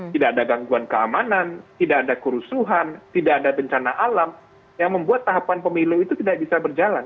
tidak ada gangguan keamanan tidak ada kerusuhan tidak ada bencana alam yang membuat tahapan pemilu itu tidak bisa berjalan